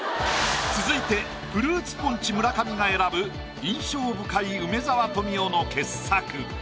続いてフルーツポンチ村上が選ぶ印象深い梅沢富美男の傑作。